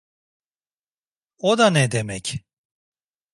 O da ne demek?